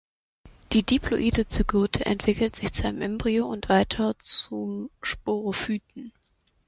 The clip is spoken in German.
Die diploide Zygote entwickelt sich zu einem Embryo und weiter zum Sporophyten.